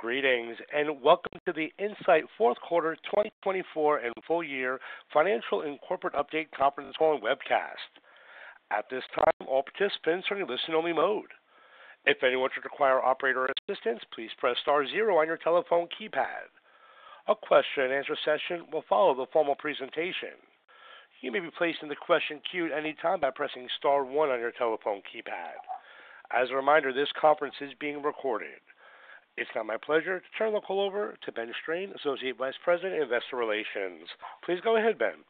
Greetings, and welcome to the Incyte Fourth Quarter 2024 and Full Year Financial And Corporate Update Conference Call and Webcast. At this time, all participants are in listen-only mode. If anyone should require operator assistance, please press star zero on your telephone keypad. A question-and-answer session will follow the formal presentation. You may be placed in the question queue at any time by pressing star one on your telephone keypad. As a reminder, this conference is being recorded. It's now my pleasure to turn the call over to Ben Strain, Associate Vice President, Investor Relations. Please go ahead, Ben.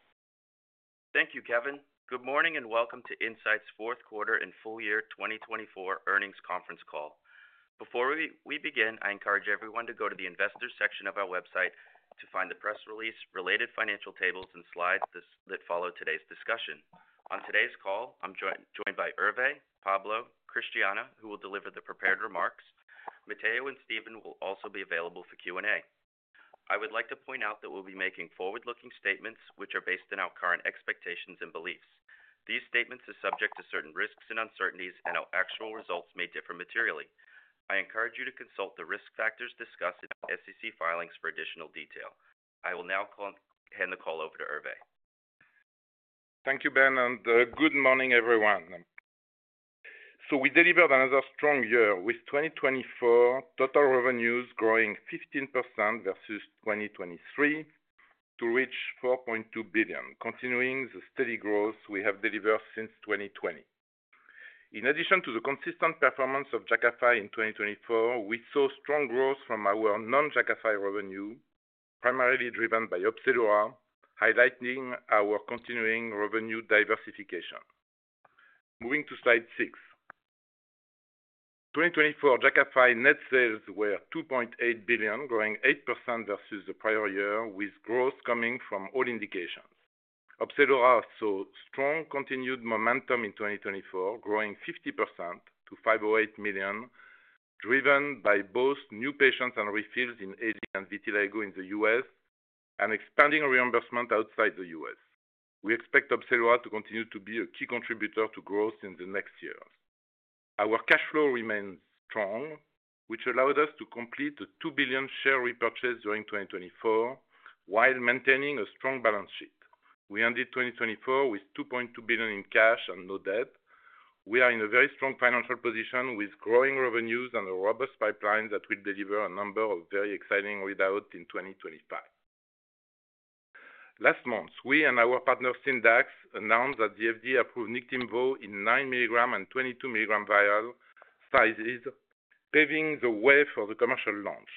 Thank you, Kevin. Good morning and welcome to Incyte's Fourth Quarter and Full Year 2024 Earnings Conference Call. Before we begin, I encourage everyone to go to the investors section of our website to find the press release, related financial tables, and slides that follow today's discussion. On today's call, I'm joined by Hervé, Pablo, Christiana, who will deliver the prepared remarks. Matteo and Steven will also be available for Q&A. I would like to point out that we'll be making forward-looking statements which are based on our current expectations and beliefs. These statements are subject to certain risks and uncertainties, and our actual results may differ materially. I encourage you to consult the risk factors discussed in SEC filings for additional detail. I will now hand the call over to Hervé. Thank you, Ben, and good morning, everyone. So we delivered another strong year, with 2024 total revenues growing 15% versus 2023 to reach $4.2 billion, continuing the steady growth we have delivered since 2020. In addition to the consistent performance of Jakafi in 2024, we saw strong growth from our non-Jakafi revenue, primarily driven by OPZELURA, highlighting our continuing revenue diversification. Moving to slide six. In 2024, Jakafi net sales were $2.8 billion, growing 8% versus the prior year, with growth coming from all indications. OPZELURA saw strong continued momentum in 2024, growing 50% to $508 million, driven by both new patients and refills in AD and vitiligo in the U.S., and expanding reimbursement outside the U.S. We expect OPZELURA to continue to be a key contributor to growth in the next years. Our cash flow remained strong, which allowed us to complete the $2 billion share repurchase during 2024 while maintaining a strong balance sheet. We ended 2024 with $2.2 billion in cash and no debt. We are in a very strong financial position with growing revenues and a robust pipeline that will deliver a number of very exciting readouts in 2025. Last month, we and our partner Syndax announced that the FDA approved Niktimvo in 9 mg and 22 mg vial sizes, paving the way for the commercial launch.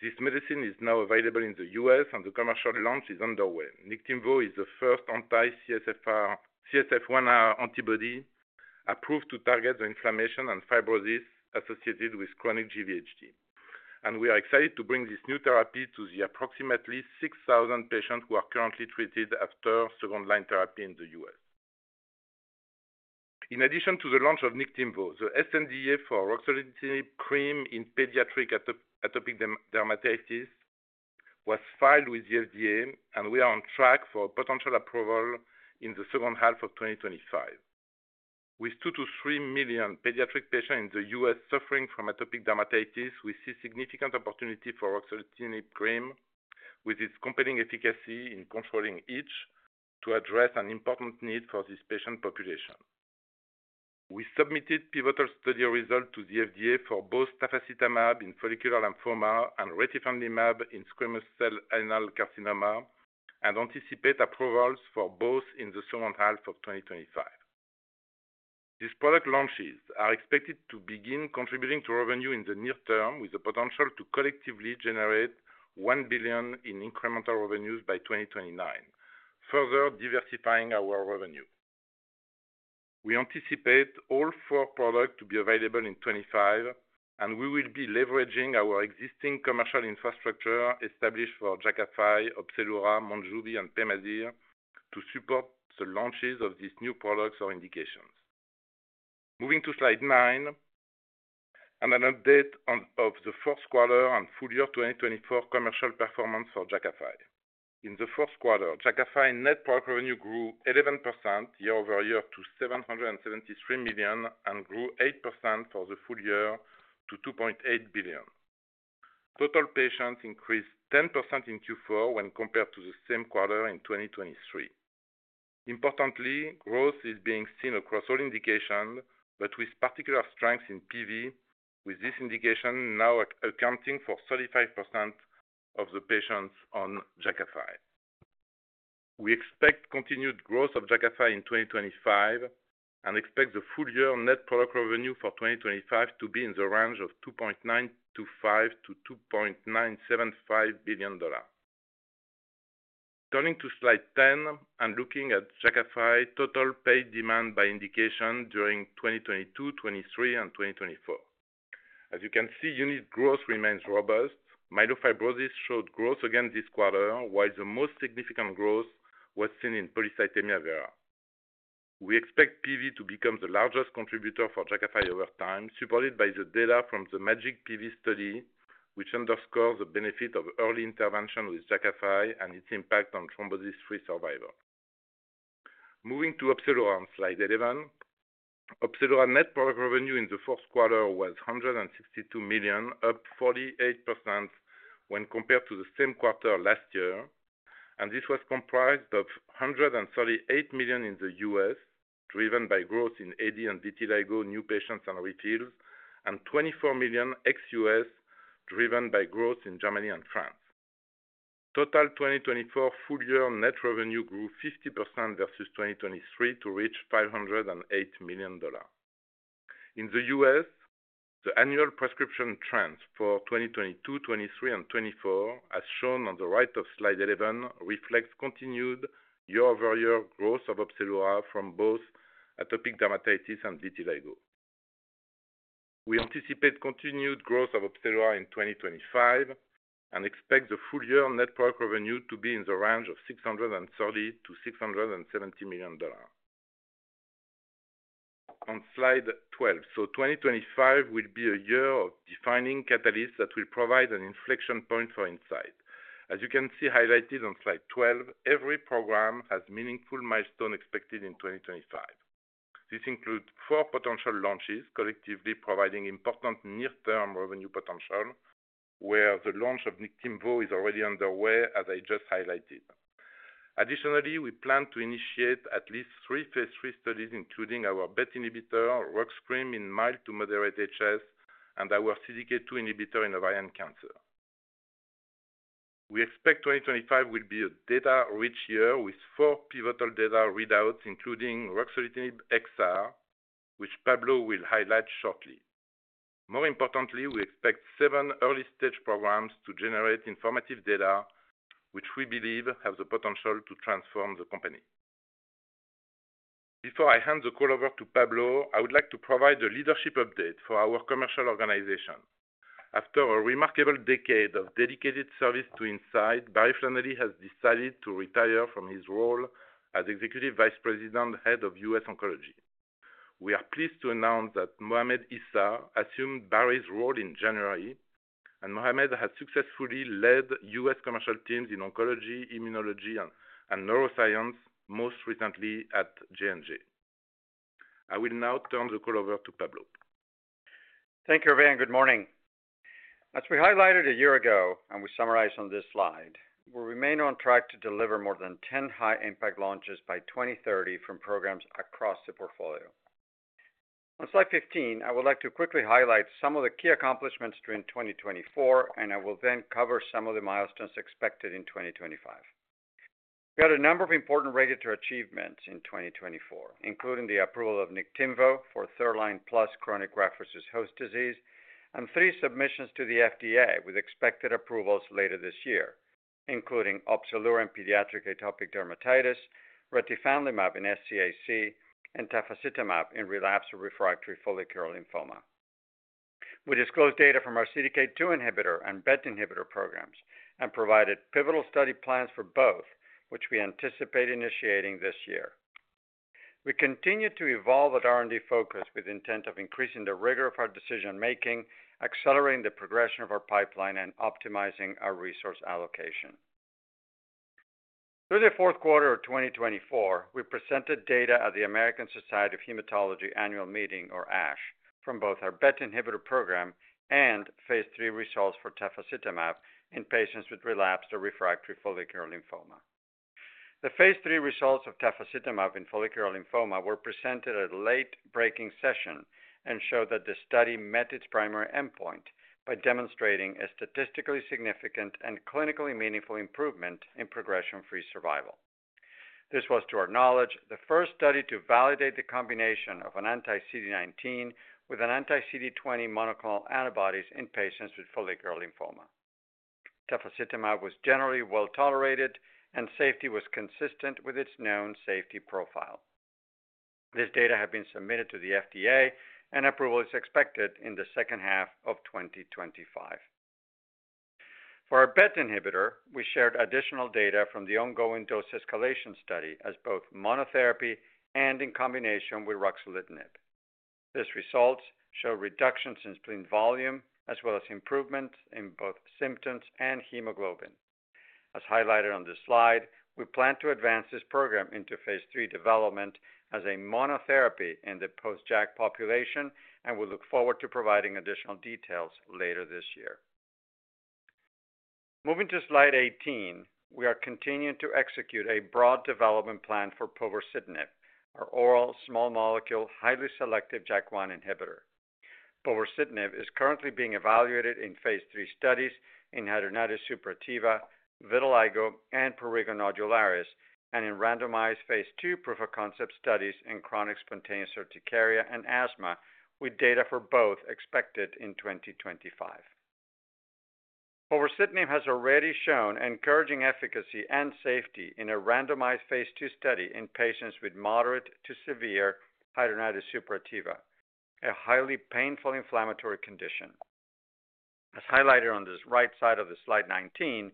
This medicine is now available in the U.S., and the commercial launch is underway. Niktimvo is the first anti-CSF-1 antibody approved to target the inflammation and fibrosis associated with chronic GVHD. We are excited to bring this new therapy to the approximately 6,000 patients who are currently treated after second-line therapy in the U.S. In addition to the launch of Niktimvo, the sNDA for ruxolitinib cream in pediatric atopic dermatitis was filed with the FDA, and we are on track for a potential approval in the second half of 2025. With two to three million pediatric patients in the U.S. suffering from atopic dermatitis, we see significant opportunity for ruxolitinib cream with its compelling efficacy in controlling itch to address an important need for this patient population. We submitted pivotal study results to the FDA for both tafasitamab in follicular lymphoma and retifanlimab in squamous cell anal carcinoma and anticipate approvals for both in the second half of 2025. These product launches are expected to begin contributing to revenue in the near term, with the potential to collectively generate $1 billion in incremental revenues by 2029, further diversifying our revenue. We anticipate all four products to be available in 2025, and we will be leveraging our existing commercial infrastructure established for Jakafi, OPZELURA, MONJUVI, and PEMAZYRE to support the launches of these new products or indications. Moving to slide nine, an update of the fourth quarter and full year 2024 commercial performance for Jakafi. In the fourth quarter, Jakafi net product revenue grew 11% year-over-year to $773 million and grew 8% for the full year to $2.8 billion. Total patients increased 10% in Q4 when compared to the same quarter in 2023. Importantly, growth is being seen across all indications, but with particular strength in PV, with this indication now accounting for 35% of the patients on Jakafi. We expect continued growth of Jakafi in 2025 and expect the full year net product revenue for 2025 to be in the range of $2.925 billion-$2.975 billion. Turning to slide 10 and looking at Jakafi total paid demand by indication during 2022, 2023, and 2024. As you can see, unit growth remains robust. Myelofibrosis showed growth again this quarter, while the most significant growth was seen in polycythemia vera. We expect PV to become the largest contributor for Jakafi over time, supported by the data from the MAJIC-PV study, which underscores the benefit of early intervention with Jakafi and its impact on thrombosis-free survival. Moving to OPZELURA on slide 11, OPZELURA net product revenue in the fourth quarter was $162 million, up 48% when compared to the same quarter last year, and this was comprised of $138 million in the U.S., driven by growth in AD and vitiligo new patients and refills, and $24 million ex-US, driven by growth in Germany and France. Total 2024 full year net revenue grew 50% versus 2023 to reach $508 million. In the US, the annual prescription trends for 2022, 2023, and 2024, as shown on the right of slide 11, reflect continued year-over-year growth of OPZELURA from both atopic dermatitis and vitiligo. We anticipate continued growth of OPZELURA in 2025 and expect the full year net product revenue to be in the range of $630 million-$670 million. On slide 12, so 2025 will be a year of defining catalysts that will provide an inflection point for Incyte. As you can see highlighted on slide 12, every program has meaningful milestones expected in 2025. This includes four potential launches collectively providing important near-term revenue potential, where the launch of Niktimvo is already underway, as I just highlighted. Additionally, we plan to initiate at least three phase III studies, including our BET inhibitor, rux cream in mild to moderate HS, and our CDK2 inhibitor in ovarian cancer. We expect 2025 will be a data-rich year with four pivotal data readouts, including ruxolitinib XR, which Pablo will highlight shortly. More importantly, we expect seven early-stage programs to generate informative data, which we believe have the potential to transform the company. Before I hand the call over to Pablo, I would like to provide a leadership update for our commercial organization. After a remarkable decade of dedicated service to Incyte, Barry Flannelly has decided to retire from his role as Executive Vice President, Head of U.S. Oncology. We are pleased to announce that Mohamed Issa assumed Barry's role in January, and Mohamed has successfully led U.S. commercial teams in oncology, immunology, and neuroscience, most recently at J&J. I will now turn the call over to Pablo. Thank you, Hervé, and good morning. As we highlighted a year ago, and we summarized on this slide, we remain on track to deliver more than 10 high-impact launches by 2030 from programs across the portfolio. On slide 15, I would like to quickly highlight some of the key accomplishments during 2024, and I will then cover some of the milestones expected in 2025. We had a number of important regulatory achievements in 2024, including the approval of Niktimvo for third-line plus chronic Graft-Versus-Host-Disease and three submissions to the FDA with expected approvals later this year, including OPZELURA in pediatric atopic dermatitis, retifanlimab in SCAC, and tafasitamab in relapsed or refractory follicular lymphoma. We disclosed data from our CDK2 inhibitor and BET inhibitor programs and provided pivotal study plans for both, which we anticipate initiating this year. We continue to evolve at R&D focus with the intent of increasing the rigor of our decision-making, accelerating the progression of our pipeline, and optimizing our resource allocation. Through the fourth quarter of 2024, we presented data at the American Society of Hematology Annual Meeting, or ASH, from both our BET inhibitor program and phase III results for tafasitamab in patients with relapsed or refractory follicular lymphoma. The phase III results of tafasitamab in follicular lymphoma were presented at a late-breaking session and showed that the study met its primary endpoint by demonstrating a statistically significant and clinically meaningful improvement in progression-free survival. This was, to our knowledge, the first study to validate the combination of an anti-CD19 with an anti-CD20 monoclonal antibodies in patients with follicular lymphoma. Tafasitamab was generally well tolerated, and safety was consistent with its known safety profile. This data has been submitted to the FDA, and approval is expected in the second half of 2025. For our BET inhibitor, we shared additional data from the ongoing dose escalation study as both monotherapy and in combination with ruxolitinib. These results show reductions in spleen volume as well as improvements in both symptoms and hemoglobin. As highlighted on this slide, we plan to advance this program into phase III development as a monotherapy in the post-JAK population, and we look forward to providing additional details later this year. Moving to slide 18, we are continuing to execute a broad development plan for povorcitinib, our oral small molecule highly selective JAK1 inhibitor. Povorcitinib is currently being evaluated in phase III studies in hidradenitis suppurativa, vitiligo, and prurigo nodularis, and in randomized phase II proof-of-concept studies in chronic spontaneous urticaria and asthma, with data for both expected in 2025. Povorcitinib has already shown encouraging efficacy and safety in a randomized phase II study in patients with moderate to severe hidradenitis suppurativa, a highly painful inflammatory condition. As highlighted on the right side of Slide 19,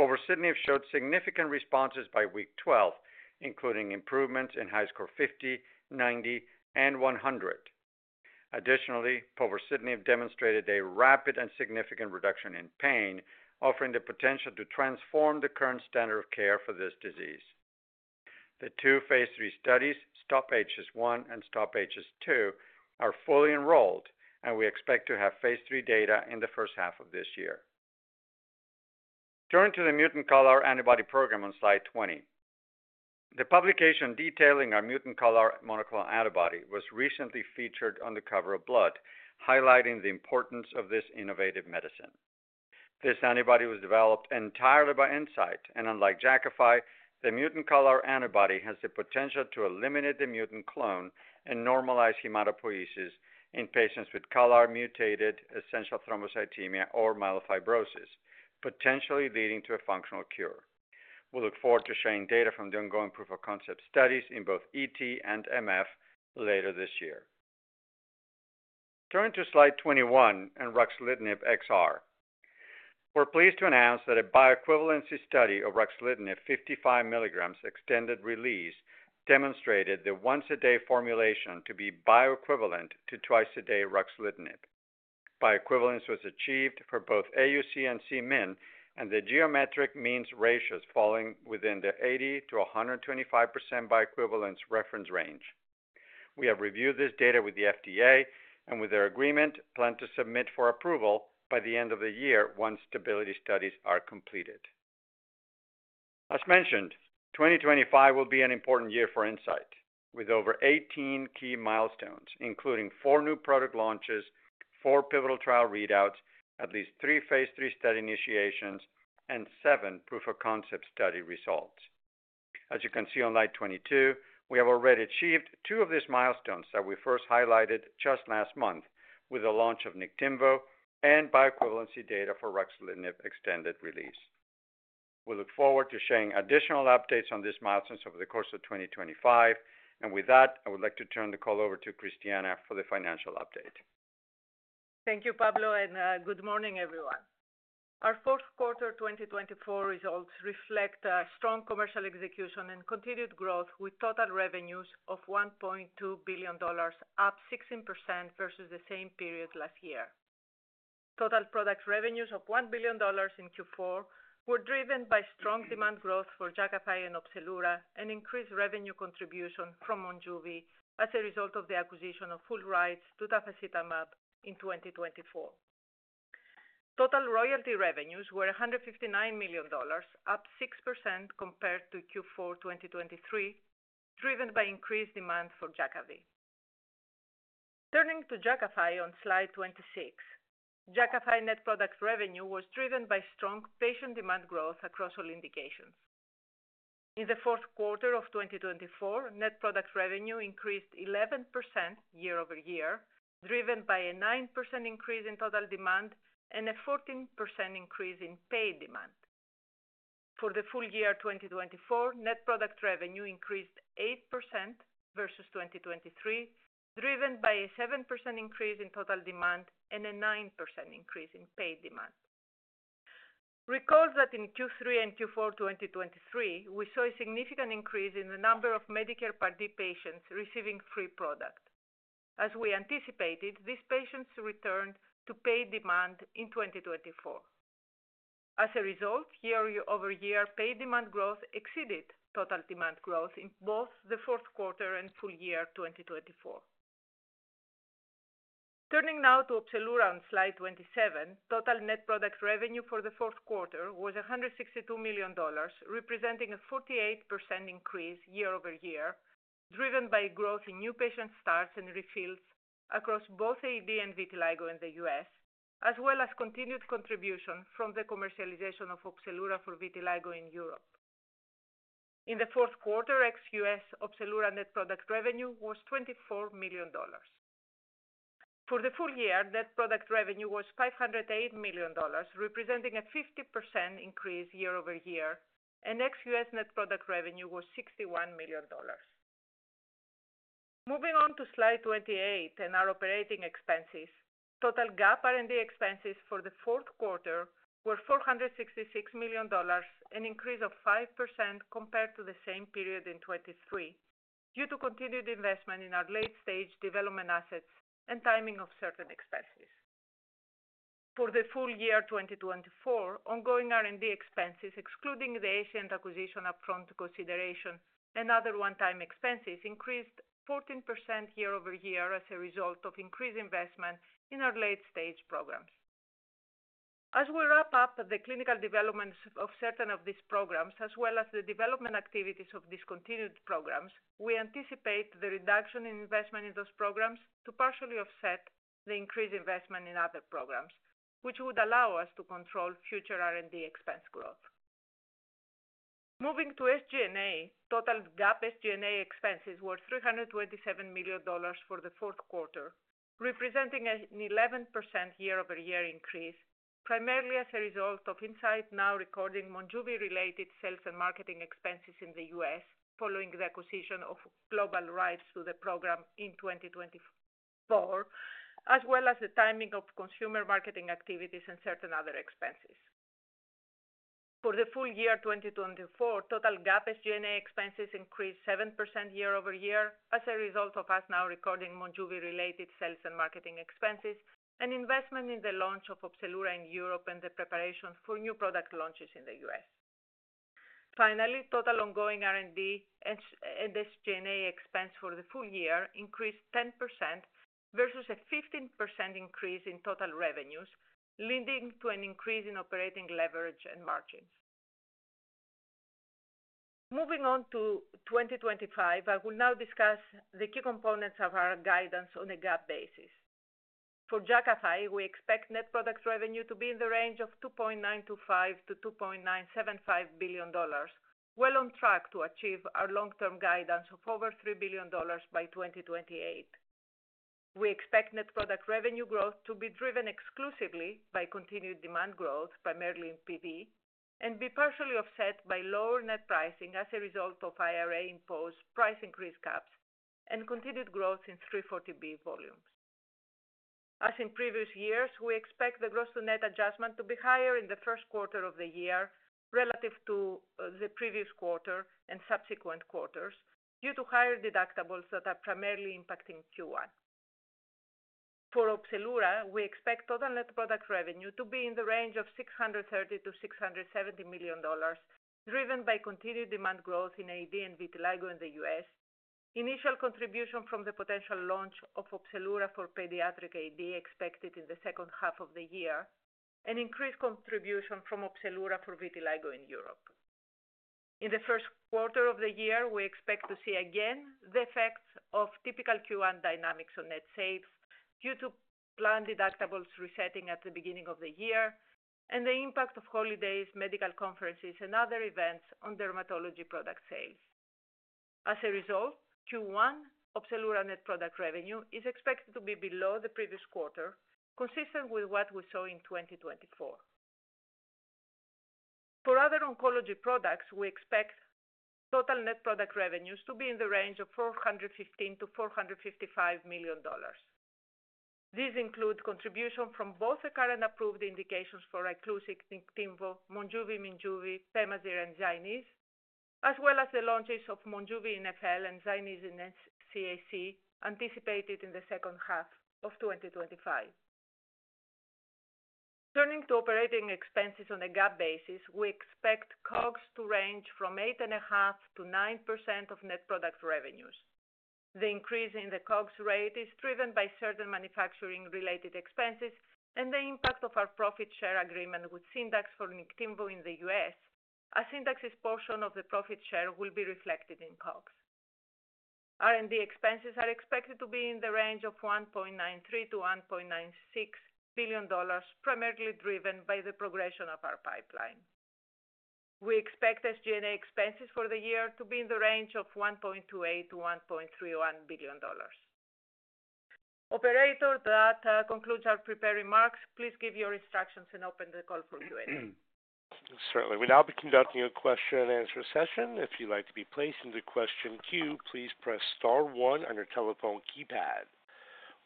povorcitinib showed significant responses by week 12, including improvements in HiSCR 50, 90, and 100. Additionally, povorcitinib demonstrated a rapid and significant reduction in pain, offering the potential to transform the current standard of care for this disease. The two phase III studies, STOP-HS1 and STOP-HS2, are fully enrolled, and we expect to have phase III data in the first half of this year. Turning to the mutant CALR antibody program on Slide 20, the publication detailing our mutant CALR monoclonal antibody was recently featured on the cover of Blood, highlighting the importance of this innovative medicine. This antibody was developed entirely by Incyte, and unlike Jakafi, the mutant CALR antibody has the potential to eliminate the mutant clone and normalize hematopoiesis in patients with CALR-mutated essential thrombocythemia or myelofibrosis, potentially leading to a functional cure. We look forward to sharing data from the ongoing proof-of-concept studies in both ET and MF later this year. Turning to slide 21 and ruxolitinib XR, we're pleased to announce that a bioequivalency study of ruxolitinib 55 mg extended release demonstrated the once-a-day formulation to be bioequivalent to twice-a-day ruxolitinib. Bioequivalence was achieved for both AUC and Cmin, and the geometric means ratios falling within the 80%-125% bioequivalence reference range. We have reviewed this data with the FDA, and with their agreement, plan to submit for approval by the end of the year once stability studies are completed. As mentioned, 2025 will be an important year for Incyte, with over 18 key milestones, including four new product launches, four pivotal trial readouts, at least three phase III study initiations, and seven proof-of-concept study results. As you can see on slide 22, we have already achieved two of these milestones that we first highlighted just last month with the launch of Niktimvo and bioequivalency data for ruxolitinib extended release. We look forward to sharing additional updates on these milestones over the course of 2025, and with that, I would like to turn the call over to Christiana for the financial update. Thank you, Pablo, and good morning, everyone. Our fourth quarter 2024 results reflect strong commercial execution and continued growth, with total revenues of $1.2 billion, up 16% versus the same period last year. Total product revenues of $1 billion in Q4 were driven by strong demand growth for Jakafi and OPZELURA and increased revenue contribution from MONJUVI as a result of the acquisition of full rights to tafasitamab in 2024. Total royalty revenues were $159 million, up 6% compared to Q4 2023, driven by increased demand for Jakafi. Turning to Jakafi on slide 26, Jakafi net product revenue was driven by strong patient demand growth across all indications. In the fourth quarter of 2024, net product revenue increased 11% year-over-year, driven by a 9% increase in total demand and a 14% increase in paid demand. For the full year 2024, net product revenue increased 8% versus 2023, driven by a 7% increase in total demand and a 9% increase in paid demand. Recall that in Q3 and Q4 2023, we saw a significant increase in the number of Medicare Part D patients receiving free product. As we anticipated, these patients returned to paid demand in 2024. As a result, year-over-year, paid demand growth exceeded total demand growth in both the fourth quarter and full year 2024. Turning now to OPZELURA on slide 27, total net product revenue for the fourth quarter was $162 million, representing a 48% increase year-over-year, driven by growth in new patient starts and refills across both AD and vitiligo in the U.S., as well as continued contribution from the commercialization of OPZELURA for vitiligo in Europe. In the fourth quarter, ex-US, OPZELURA net product revenue was $24 million. For the full year, net product revenue was $508 million, representing a 50% increase year-over-year, and ex-U.S. net product revenue was $61 million. Moving on to slide 28 and our operating expenses. Total GAAP R&D expenses for the fourth quarter were $466 million, an increase of 5% compared to the same period in 2023, due to continued investment in our late-stage development assets and timing of certain expenses. For the full year 2024, ongoing R&D expenses, excluding the Escient acquisition upfront consideration and other one-time expenses, increased 14% year-over-year as a result of increased investment in our late-stage programs. As we wrap up the clinical developments of certain of these programs, as well as the development activities of these continued programs, we anticipate the reduction in investment in those programs to partially offset the increased investment in other programs, which would allow us to control future R&D expense growth. Moving to SG&A, total GAAP SG&A expenses were $327 million for the fourth quarter, representing an 11% year-over-year increase, primarily as a result of Incyte now recording MONJUVI-related sales and marketing expenses in the U.S. following the acquisition of global rights to the program in 2024, as well as the timing of consumer marketing activities and certain other expenses. For the full year 2024, total GAAP SG&A expenses increased 7% year-over-year as a result of us now recording MONJUVI-related sales and marketing expenses and investment in the launch of OPZELURA in Europe and the preparation for new product launches in the U.S. Finally, total ongoing R&D and SG&A expense for the full year increased 10% versus a 15% increase in total revenues, leading to an increase in operating leverage and margins. Moving on to 2025, I will now discuss the key components of our guidance on a GAAP basis. For Jakafi, we expect net product revenue to be in the range of $2.925 billion-$2.975 billion, well on track to achieve our long-term guidance of over $3 billion by 2028. We expect net product revenue growth to be driven exclusively by continued demand growth, primarily in PV, and be partially offset by lower net pricing as a result of IRA-imposed price increase caps and continued growth in 340B volumes. As in previous years, we expect the gross-to-net adjustment to be higher in the first quarter of the year relative to the previous quarter and subsequent quarters due to higher deductibles that are primarily impacting Q1. For OPZELURA, we expect total net product revenue to be in the range of $630 million-$670 million, driven by continued demand growth in AD and vitiligo in the U.S. Initial contribution from the potential launch of OPZELURA for pediatric AD expected in the second half of the year, and increased contribution from OPZELURA for vitiligo in Europe. In the first quarter of the year, we expect to see again the effects of typical Q1 dynamics on net sales due to planned deductibles resetting at the beginning of the year and the impact of holidays, medical conferences, and other events on dermatology product sales. As a result, Q1 OPZELURA net product revenue is expected to be below the previous quarter, consistent with what we saw in 2024. For other oncology products, we expect total net product revenues to be in the range of $415 million-$455 million. These include contribution from both the current approved indications for ICLUSIG, Niktimvo, Monjuvi/Minjuvi, PEMAZYRE, and ZYNYZ, as well as the launches of MONJUVI in FL and ZYNYZ in CAC anticipated in the second half of 2025. Turning to operating expenses on a GAAP basis, we expect COGS to range from 8.5%-9% of net product revenues. The increase in the COGS rate is driven by certain manufacturing-related expenses and the impact of our profit share agreement with Syndax for Niktimvo in the U.S., as Syndax's portion of the profit share will be reflected in COGS. R&D expenses are expected to be in the range of $1.93 billion-$1.96 billion, primarily driven by the progression of our pipeline. We expect SG&A expenses for the year to be in the range of $1.28 billion-$1.31 billion. Operator, that concludes our prepared remarks. Please give your instructions and open the call for Q&A. Certainly. We now begin the question-and-answer session. If you'd like to be placed into the question queue, please press star one on your telephone keypad.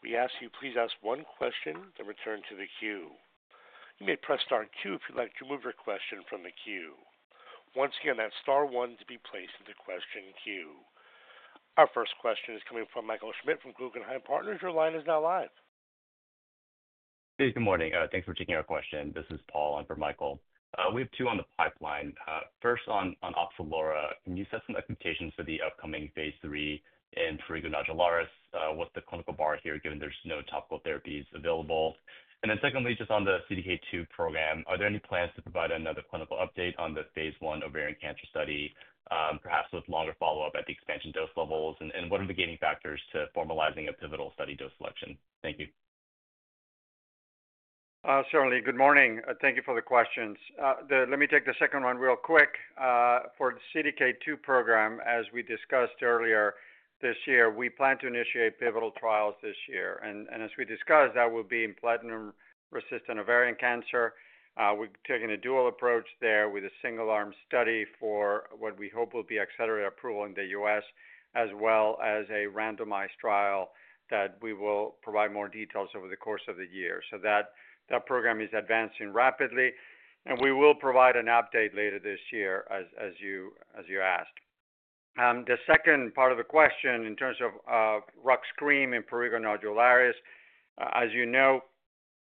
We ask you, please ask one question and return to the queue. You may press star two if you'd like to remove your question from the queue. Once again, that's star one to be placed into the question queue. Our first question is coming from Michael Schmidt from Guggenheim Partners. Your line is now live. Hey, good morning. Thanks for taking our question. This is Paul on for Michael. We have two on the pipeline. First, on OPZELURA, can you set some expectations for the upcoming phase III in prurigo nodularis? What's the clinical bar here given there's no topical therapies available? And then secondly, just on the CDK2 program, are there any plans to provide another clinical update on the phase I ovarian cancer study, perhaps with longer follow-up at the expansion dose levels? And what are the gating factors to formalizing a pivotal study dose selection? Thank you. Certainly. Good morning. Thank you for the questions. Let me take the second one real quick. For the CDK2 program, as we discussed earlier this year, we plan to initiate pivotal trials this year. And as we discussed, that will be in platinum-resistant ovarian cancer. We're taking a dual approach there with a single-arm study for what we hope will be accelerated approval in the U.S., as well as a randomized trial that we will provide more details over the course of the year. So that program is advancing rapidly, and we will provide an update later this year as you asked. The second part of the question in terms of rux cream in prurigo nodularis, as you know,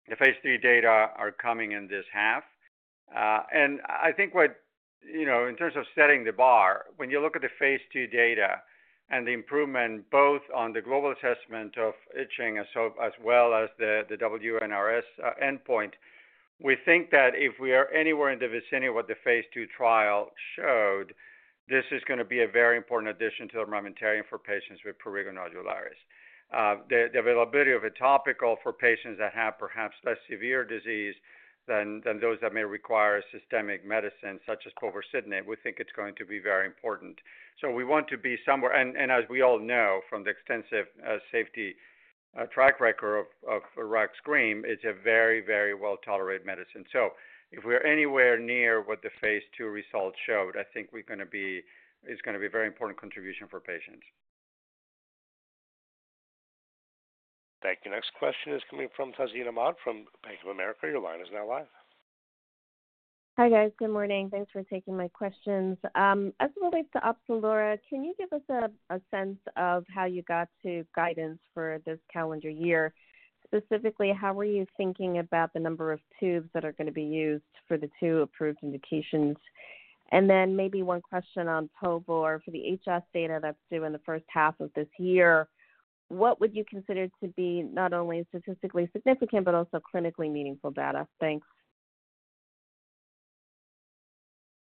the phase III data are coming in this half. I think what in terms of setting the bar, when you look at the phase II data and the improvement both on the global assessment of itching as well as the WNRS endpoint, we think that if we are anywhere in the vicinity of what the phase II trial showed, this is going to be a very important addition to the armamentarium for patients with prurigo nodularis. The availability of a topical for patients that have perhaps less severe disease than those that may require systemic medicine, such as povorcitinib, we think it's going to be very important. We want to be somewhere. As we all know from the extensive safety track record of ruxolitinib cream, it's a very, very well-tolerated medicine. If we are anywhere near what the phase II results showed, I think we're going to be a very important contribution for patients. Thank you. Next question is coming from Tazeen Ahmad from Bank of America. Your line is now live. Hi, guys. Good morning. Thanks for taking my questions. As it relates to Opzelura, can you give us a sense of how you got to guidance for this calendar year? Specifically, how were you thinking about the number of tubes that are going to be used for the two approved indications? And then maybe one question on povorcitinib for the HS data that's due in the first half of this year. What would you consider to be not only statistically significant but also clinically meaningful data? Thanks.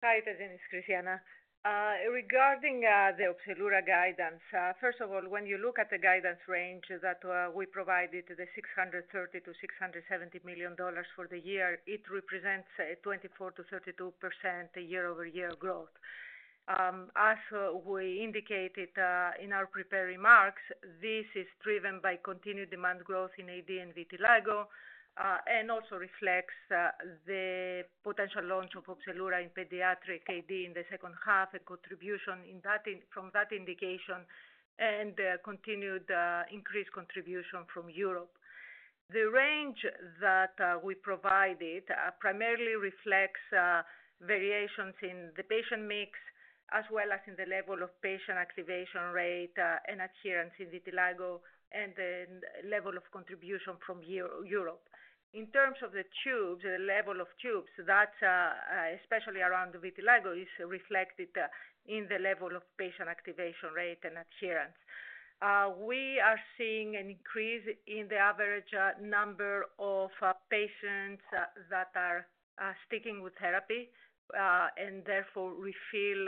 Hi, this is Christiana. Regarding the OPZELURA guidance, first of all, when you look at the guidance range that we provided, the $630 million-$670 million for the year, it represents a 24%-32% year-over-year growth. As we indicated in our prepared remarks, this is driven by continued demand growth in AD and vitiligo and also reflects the potential launch of OPZELURA in pediatric AD in the second half and contribution from that indication and continued increased contribution from Europe. The range that we provided primarily reflects variations in the patient mix as well as in the level of patient activation rate and adherence in vitiligo and the level of contribution from Europe. In terms of the tubes, the level of tubes, that especially around vitiligo is reflected in the level of patient activation rate and adherence. We are seeing an increase in the average number of patients that are sticking with therapy and therefore refill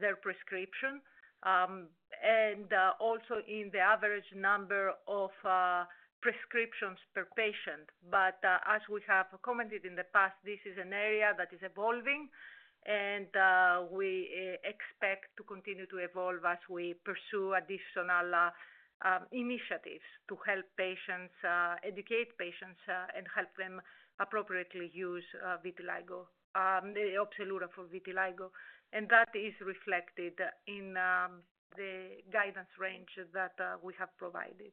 their prescription and also in the average number of prescriptions per patient, but as we have commented in the past, this is an area that is evolving, and we expect to continue to evolve as we pursue additional initiatives to help patients, educate patients, and help them appropriately use OPZELURA for vitiligo, and that is reflected in the guidance range that we have provided.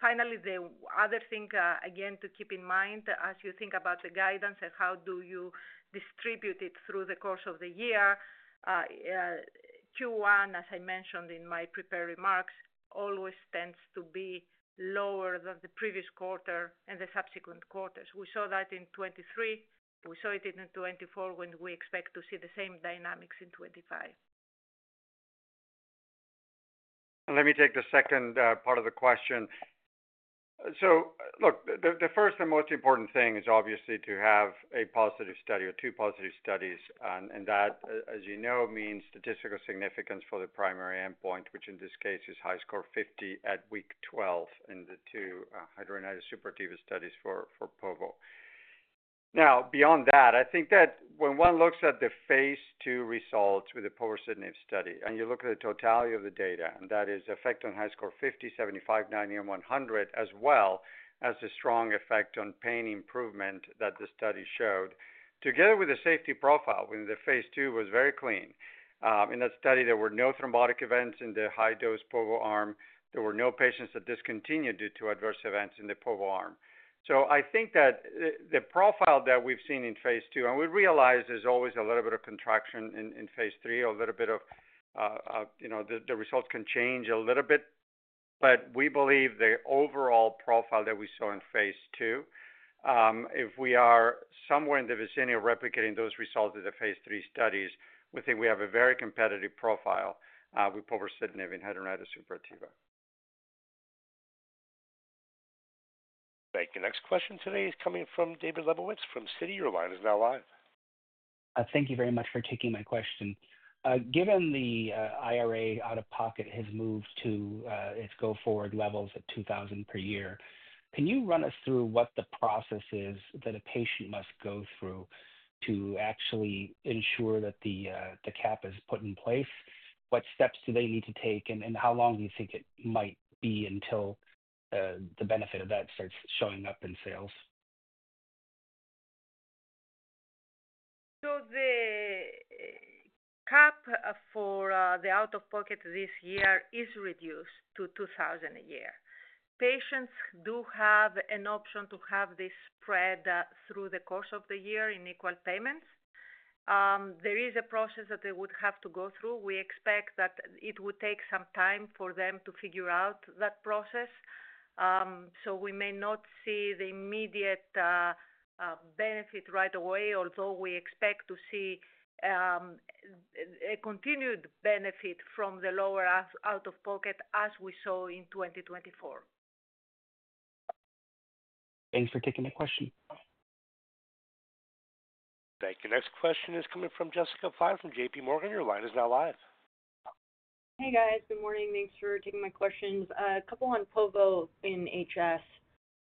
Finally, the other thing, again, to keep in mind as you think about the guidance and how do you distribute it through the course of the year, Q1, as I mentioned in my prepared remarks, always tends to be lower than the previous quarter and the subsequent quarters. We saw that in 2023. We saw it in 2024 when we expect to see the same dynamics in 2025. Let me take the second part of the question, so look, the first and most important thing is obviously to have a positive study or two positive studies, and that, as you know, means statistical significance for the primary endpoint, which in this case is HiSCR 50 at week 12 in the two hidradenitis suppurativa studies for povorcitinib. Now, beyond that, I think that when one looks at the phase II results with the povorcitinib study and you look at the totality of the data, and that is effect on HiSCR 50, 75, 90, and 100, as well as the strong effect on pain improvement that the study showed, together with the safety profile when the phase II was very clean. In that study, there were no thrombotic events in the high-dose povo arm. There were no patients that discontinued due to adverse events in the povo arm. So I think that the profile that we've seen in phase II, and we realize there's always a little bit of contraction in phase three, a little bit of the results can change a little bit, but we believe the overall profile that we saw in phase II, if we are somewhere in the vicinity of replicating those results of the phase III studies, we think we have a very competitive profile with povorcitinib and hidradenitis suppurativa. Thank you. Next question today is coming from David Lebowitz from Citi. Your line is now live. Thank you very much for taking my question. Given the IRA out-of-pocket has moved to its go-forward levels at $2,000 per year, can you run us through what the process is that a patient must go through to actually ensure that the cap is put in place? What steps do they need to take, and how long do you think it might be until the benefit of that starts showing up in sales? So the cap for the out-of-pocket this year is reduced to $2,000 a year. Patients do have an option to have this spread through the course of the year in equal payments. There is a process that they would have to go through. We expect that it would take some time for them to figure out that process. So we may not see the immediate benefit right away, although we expect to see a continued benefit from the lower out-of-pocket as we saw in 2024. Thanks for taking the question. Thank you. Next question is coming from Jessica Fye from JPMorgan. Your line is now live. Hey, guys. Good morning. Thanks for taking my questions. A couple on povo in HS.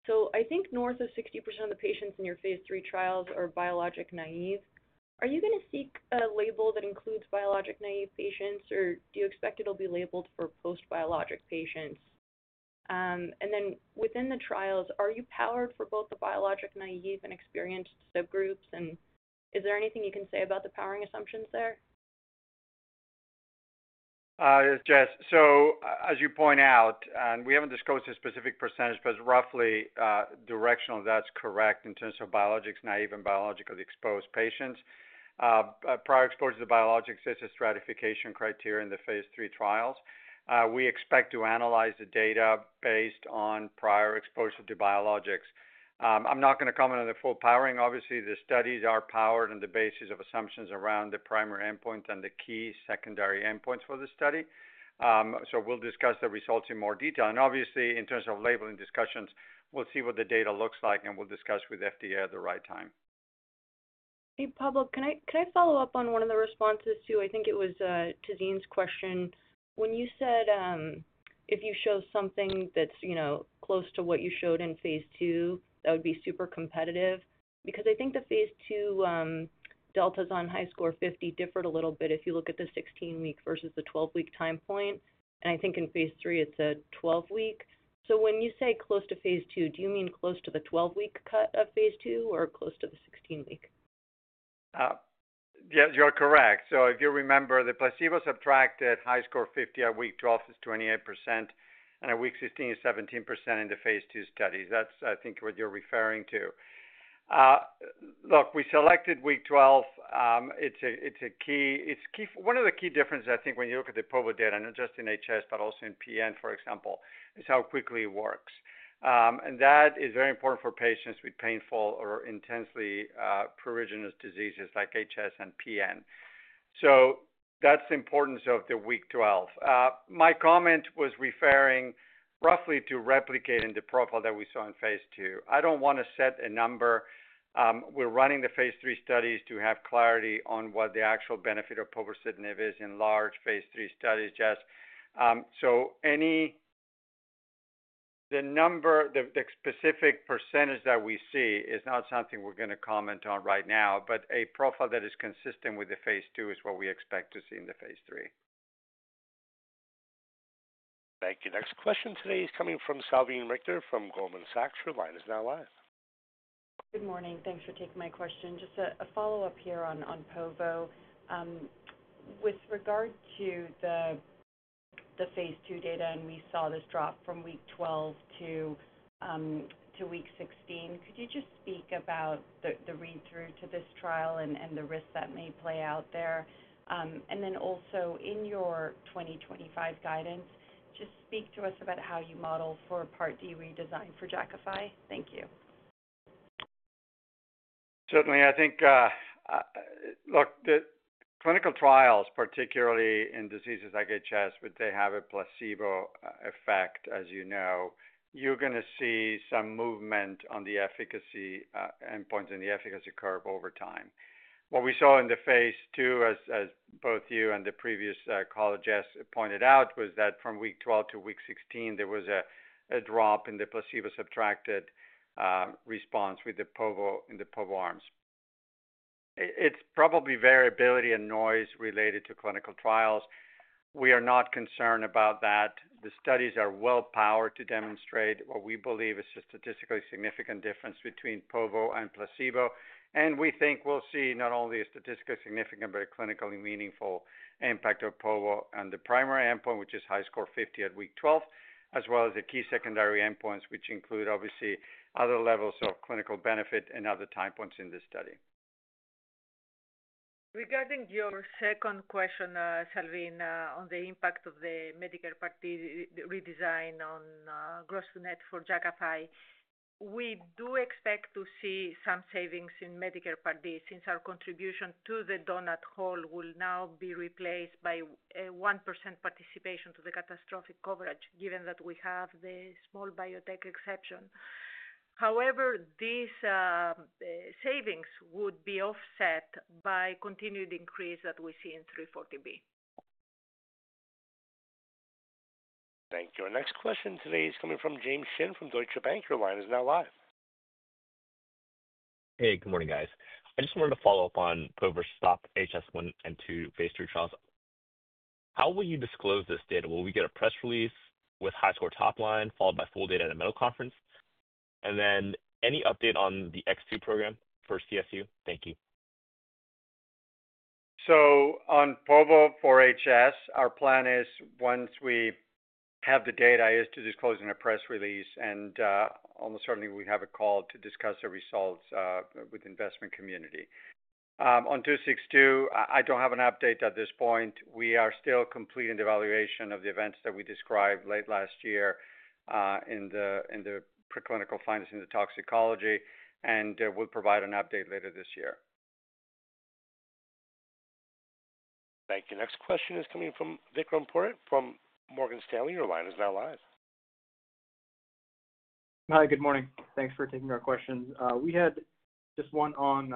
So I think north of 60% of the patients in your phase three trials are biologic naive. Are you going to seek a label that includes biologic naive patients, or do you expect it'll be labeled for post-biologic patients? And then within the trials, are you powered for both the biologic naive and experienced subgroups, and is there anything you can say about the powering assumptions there? Yes, Jess. So as you point out, we haven't disclosed a specific percentage because roughly directionally, that's correct in terms of biologics naive and biologically exposed patients. Prior exposure to the biologics is a stratification criteria in the phase III trials. We expect to analyze the data based on prior exposure to biologics. I'm not going to comment on the full powering. Obviously, the studies are powered on the basis of assumptions around the primary endpoint and the key secondary endpoints for the study. So we'll discuss the results in more detail. And obviously, in terms of labeling discussions, we'll see what the data looks like, and we'll discuss with FDA at the right time. Hey, Pablo, can I follow up on one of the responses to, I think it was Tazeen's question? When you said if you show something that's close to what you showed in phase II, that would be super competitive. Because I think the phase II deltas on HiSCR 50 differed a little bit if you look at the 16-week versus the 12-week time point, and I think in phase III, it's a 12-week, so when you say close to phase II, do you mean close to the 12-week cut of phase II or close to the 16-week? Yes, you're correct, so if you remember, the placebo-subtracted high score 50 at week 12 is 28%, and at week 16 is 17% in the phase II studies. That's, I think, what you're referring to. Look, we selected week 12. It's a key one of the key differences, I think, when you look at the povo data, not just in HS, but also in PN, for example, is how quickly it works, and that is very important for patients with painful or intensely pruriginous diseases like HS and PN, so that's the importance of the week 12. My comment was referring roughly to replicating the profile that we saw in phase II. I don't want to set a number. We're running the phase III studies to have clarity on what the actual benefit of povorcitinib is in large phase III studies, Jess. The number, the specific percentage that we see is not something we're going to comment on right now, but a profile that is consistent with the phase II is what we expect to see in the phase III. Thank you. Next question today is coming from Salveen Richter from Goldman Sachs. Your line is now live. Good morning. Thanks for taking my question. Just a follow-up here on povo. With regard to the phase II data, and we saw this drop from week 12 to week 16, could you just speak about the read-through to this trial and the risks that may play out there, and then also in your 2025 guidance, just speak to us about how you model for Part D redesign for Jakafi? Thank you. Certainly. I think, look, the clinical trials, particularly in diseases like HS, where they have a placebo effect, as you know, you're going to see some movement on the efficacy endpoints and the efficacy curve over time. What we saw in the phase II, as both you and the previous colleague, Jess, pointed out, was that from week 12 to week 16, there was a drop in the placebo-subtracted response with the povo arms. It's probably variability and noise related to clinical trials. We are not concerned about that. The studies are well-powered to demonstrate what we believe is a statistically significant difference between povo and placebo. We think we'll see not only a statistically significant but a clinically meaningful impact of povo on the primary endpoint, which is HISCR 50 at week 12, as well as the key secondary endpoints, which include, obviously, other levels of clinical benefit and other time points in this study. Regarding your second question, Salveen, on the impact of the Medicare Part D redesign on gross unit for Jakafi, we do expect to see some savings in Medicare Part D since our contribution to the donut hole will now be replaced by a 1% participation to the catastrophic coverage, given that we have the small biotech exception. However, these savings would be offset by continued increase that we see in 340B. Thank you. Our next question today is coming from James Shin from Deutsche Bank. Your line is now live. Hey, good morning, guys. I just wanted to follow up on povorcitinib's STOP-HS1 and HS2 phase III trials. How will you disclose this data? Will we get a press release with high-level topline followed by full data in the medical conference? And then any update on the X2 program for CSU? Thank you. So on povorcitinib for HS, our plan is once we have the data, is to disclose in a press release. And almost certainly, we have a call to discuss the results with the investment community. On 262, I don't have an update at this point. We are still completing the evaluation of the events that we described late last year in the preclinical findings in the toxicology, and we'll provide an update later this year. Thank you. Next question is coming from Vikram Purohit from Morgan Stanley. Your line is now live. Hi, good morning. Thanks for taking our questions. We had just one on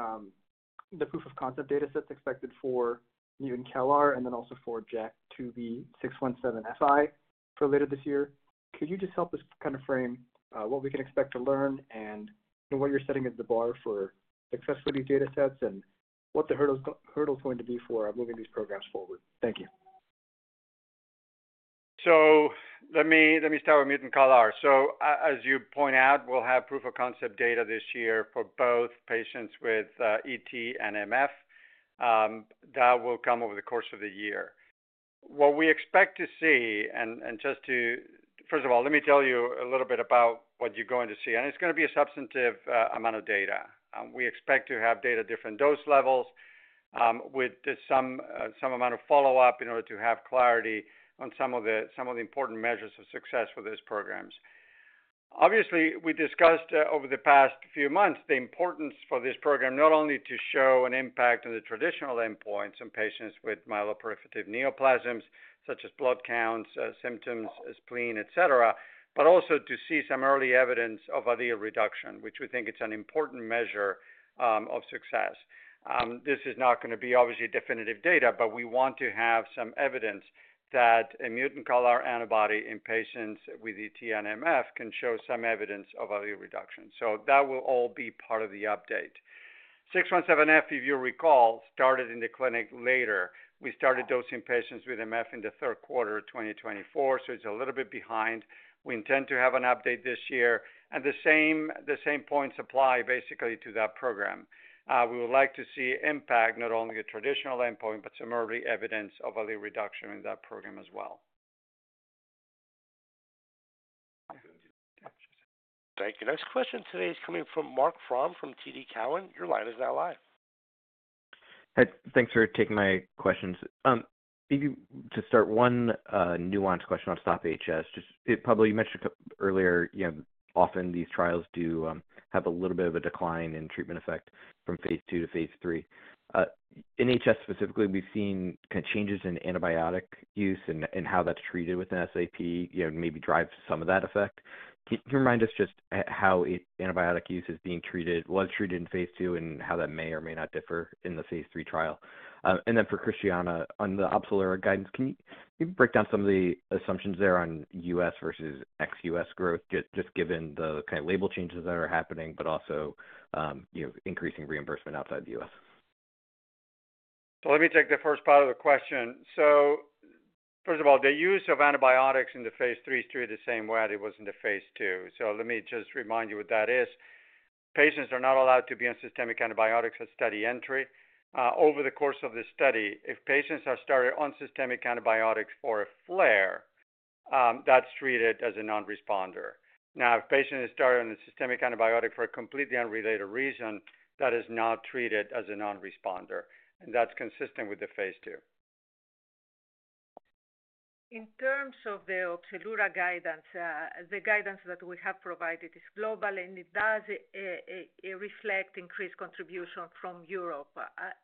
the proof of concept data sets expected for mutant CALR and then also for JAK2V617Fi for later this year. Could you just help us kind of frame what we can expect to learn and what you're setting as the bar for success for these data sets and what the hurdle's going to be for moving these programs forward? Thank you. Let me start with mutant CALR. As you point out, we'll have proof of concept data this year for both patients with ET and MF. That will come over the course of the year. What we expect to see, and just to first of all, let me tell you a little bit about what you're going to see. It's going to be a substantive amount of data. We expect to have data at different dose levels with some amount of follow-up in order to have clarity on some of the important measures of success for those programs. Obviously, we discussed over the past few months the importance for this program not only to show an impact on the traditional endpoints in patients with myeloproliferative neoplasms, such as blood counts, symptoms, spleen, etc., but also to see some early evidence of a reduction, which we think is an important measure of success. This is not going to be obviously definitive data, but we want to have some evidence that a mutant CALR antibody in patients with ET and MF can show some evidence of a reduction, so that will all be part of the update. 617F, if you recall, started in the clinic later. We started dosing patients with MF in the third quarter of 2024, so it's a little bit behind. We intend to have an update this year, and the same points apply basically to that program. We would like to see impact not only at traditional endpoint, but some early evidence of a reduction in that program as well. Thank you. Next question today is coming from Marc Frahm from TD Cowen. Your line is now live. Thanks for taking my questions. Maybe to start, one nuanced question on STOP-HS. Just, Pablo, you mentioned earlier often these trials do have a little bit of a decline in treatment effect from phase II to phase III. In HS specifically, we've seen kind of changes in antibiotic use and how that's treated with an SAP maybe drive some of that effect? Can you remind us just how antibiotic use is being treated, was treated in phase II, and how that may or may not differ in the phase III trial? And then for Christiana, on the OPZELURA guidance, can you break down some of the assumptions there on U.S. versus ex-U.S. growth, just given the kind of label changes that are happening, but also increasing reimbursement outside the U.S.? So let me take the first part of the question, so first of all, the use of antibiotics in the phase III is treated the same way as it was in the phase II, so let me just remind you what that is. Patients are not allowed to be on systemic antibiotics at study entry. Over the course of the study, if patients are started on systemic antibiotics for a flare, that's treated as a non-responder. Now, if a patient is started on a systemic antibiotic for a completely unrelated reason, that is not treated as a non-responder, and that's consistent with the phase II. In terms of the OPZELURA guidance, the guidance that we have provided is global, and it does reflect increased contribution from Europe.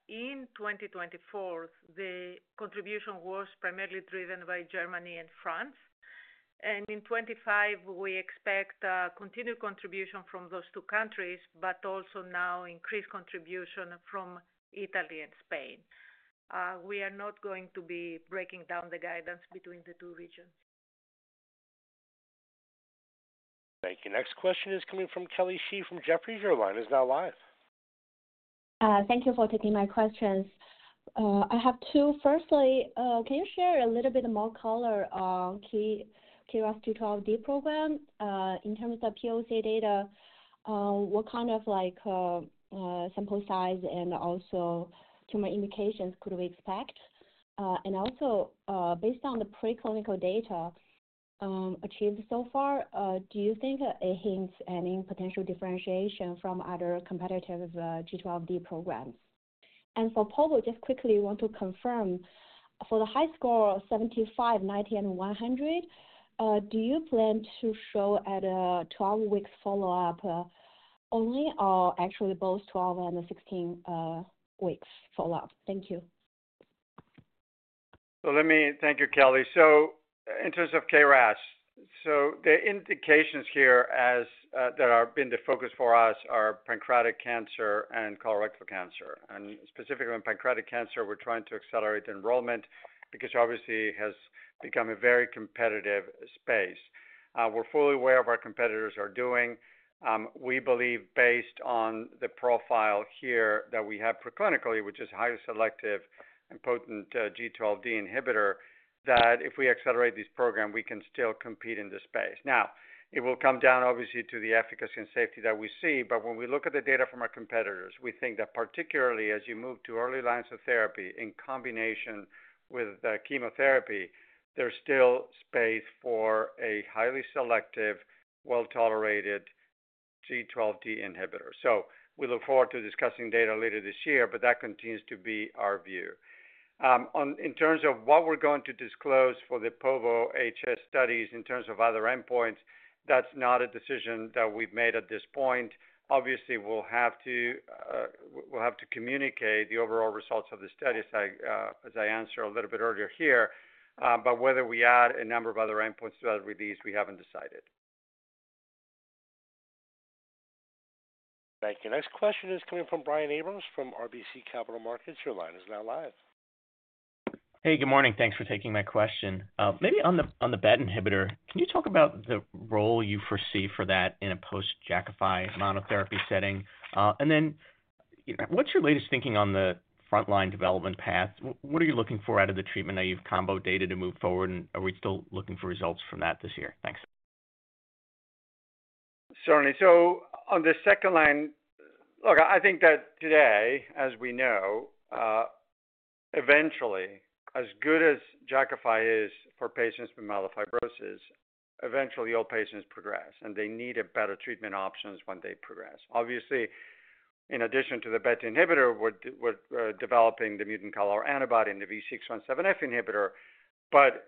In 2024, the contribution was primarily driven by Germany and France. And in 2025, we expect continued contribution from those two countries, but also now increased contribution from Italy and Spain. We are not going to be breaking down the guidance between the two regions. Thank you. Next question is coming from Kelly Shi from Jefferies. Your line is now live. Thank you for taking my questions. I have two. Firstly, can you share a little bit more color on the KRAS G12D program? In terms of POC data, what kind of sample size and also tumor indications could we expect? And also, based on the preclinical data achieved so far, do you think it hints at any potential differentiation from other competitive G12D programs? And for povorcitinib, just quickly want to confirm, for the HiSCR of 75, 90, and 100, do you plan to show at a 12-week follow-up only or actually both 12- and 16-week follow-up? Thank you. Thank you, Kelly. In terms of KRAS, the indications here that have been the focus for us are pancreatic cancer and colorectal cancer. Specifically in pancreatic cancer, we're trying to accelerate enrollment because it obviously has become a very competitive space. We're fully aware of what our competitors are doing. We believe, based on the profile here that we have preclinically, which is highly selective and potent G12D inhibitor, that if we accelerate this program, we can still compete in this space. Now, it will come down, obviously, to the efficacy and safety that we see. But when we look at the data from our competitors, we think that particularly as you move to early lines of therapy in combination with chemotherapy, there's still space for a highly selective, well-tolerated G12D inhibitor. So we look forward to discussing data later this year, but that continues to be our view. In terms of what we're going to disclose for the povorcitinib HS studies in terms of other endpoints, that's not a decision that we've made at this point. Obviously, we'll have to communicate the overall results of the study, as I answered a little bit earlier here. But whether we add a number of other endpoints to that release, we haven't decided. Thank you. Next question is coming from Brian Abrahams from RBC Capital Markets. Your line is now live. Hey, good morning. Thanks for taking my question. Maybe on the BET inhibitor, can you talk about the role you foresee for that in a post-Jakafi monotherapy setting? And then what's your latest thinking on the frontline development path? What are you looking for out of the treatment? Are you combo data to move forward, and are we still looking for results from that this year? Thanks. Certainly. So on the second line, look, I think that today, as we know, eventually, as good as Jakafi is for patients with myelofibrosis, eventually all patients progress, and they need better treatment options when they progress. Obviously, in addition to the BET inhibitor, we're developing the mutant CALR antibody and the V617F inhibitor. But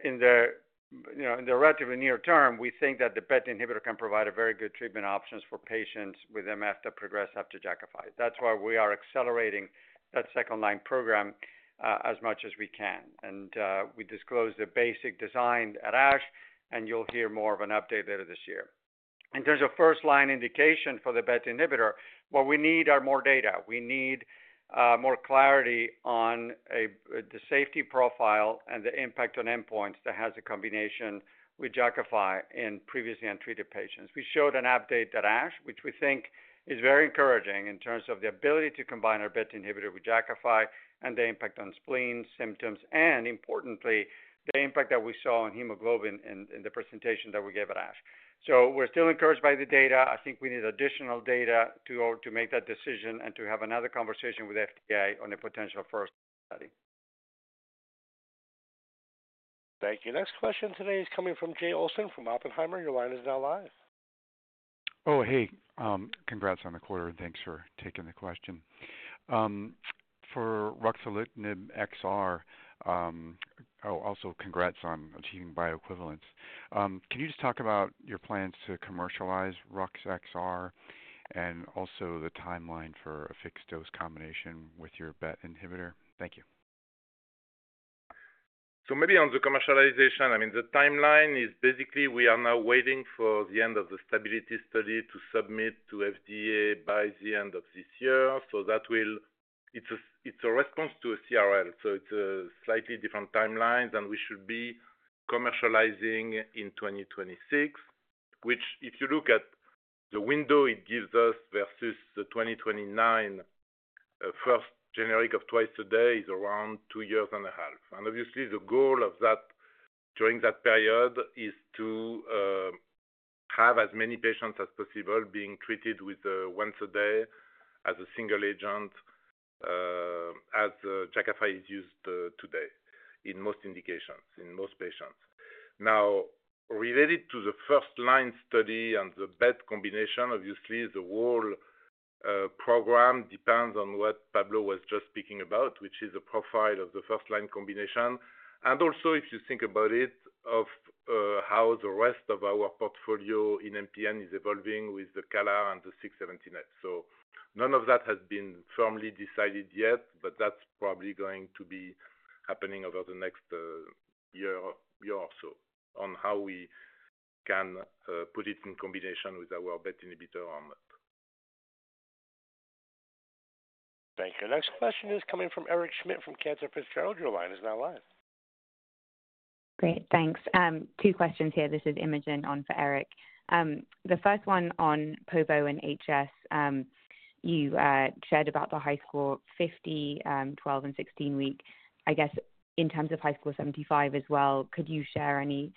in the relatively near term, we think that the BET inhibitor can provide very good treatment options for patients with MF that progress after Jakafi. That's why we are accelerating that second-line program as much as we can. And we disclosed the basic design at ASH, and you'll hear more of an update later this year. In terms of first-line indication for the BET inhibitor, what we need are more data. We need more clarity on the safety profile and the impact on endpoints that has a combination with Jakafi in previously untreated patients. We showed an update at ASH, which we think is very encouraging in terms of the ability to combine our BET inhibitor with Jakafi and the impact on spleen symptoms and, importantly, the impact that we saw on hemoglobin in the presentation that we gave at ASH, so we're still encouraged by the data. I think we need additional data to make that decision and to have another conversation with FDA on a potential first study. Thank you. Next question today is coming from Jay Olson from Oppenheimer. Your line is now live. Oh, hey. Congrats on the quarter, and thanks for taking the question. For ruxolitinib XR, oh, also congrats on achieving bioequivalence. Can you just talk about your plans to commercialize rux XR and also the timeline for a fixed-dose combination with your BET inhibitor? Thank you. So maybe on the commercialization, I mean, the timeline is basically we are now waiting for the end of the stability study to submit to FDA by the end of this year. So that will. It's a response to a CRL. It's a slightly different timeline, and we should be commercializing in 2026, which, if you look at the window it gives us versus 2029, first generic of twice a day is around two years and a half. Obviously, the goal of that during that period is to have as many patients as possible being treated with once a day as a single agent as Jakafi is used today in most indications, in most patients. Now, related to the first-line study and the BET combination, obviously, the whole program depends on what Pablo was just speaking about, which is the profile of the first-line combination. And also, if you think about it, of how the rest of our portfolio in MPN is evolving with the CALR and the V617F. So none of that has been firmly decided yet, but that's probably going to be happening over the next year or so on how we can put it in combination with our BET inhibitor or not. Thank you. Next question is coming from Eric Schmidt from Cantor Fitzgerald. Your line is now live. Great. Thanks. Two questions here. This is Imogen on for Eric. The first one on povorcitinib and HS, you shared about the HiSCR 50, 12 and 16-week. I guess in terms of HiSCR 75 as well, could you share any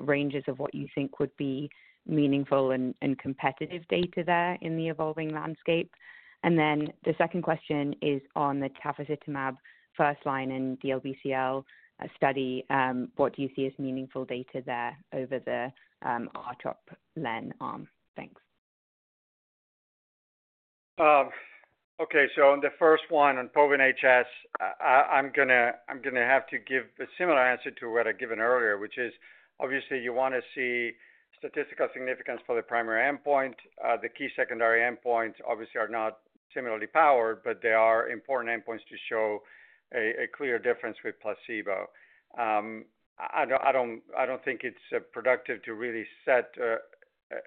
ranges of what you think would be meaningful and competitive data there in the evolving landscape? And then the second question is on the tafasitamab first-line and DLBCL study. What do you see as meaningful data there over the R-CHOP-LEN arm? Thanks. Okay. So on the first one, on povorcitinib and HS, I'm going to have to give a similar answer to what I given earlier, which is, obviously, you want to see statistical significance for the primary endpoint. The key secondary endpoints, obviously, are not similarly powered, but they are important endpoints to show a clear difference with placebo. I don't think it's productive to really set